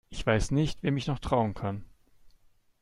Ich weiß nicht, wem ich noch trauen kann.